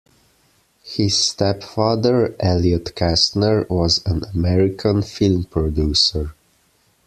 His stepfather, Elliott Kastner, was an American film producer.